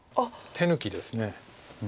手抜きです。